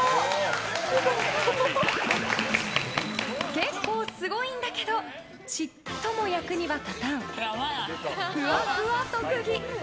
結構すごいんだけどちっとも役には立たんふわふわ特技。